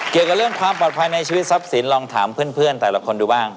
เกี่ยวกับเรื่องความปลอดภัยในชีวิตทรัพย์สินลองถามเพื่อนแต่ละคนดูบ้าง